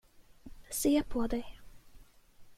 Se på dig.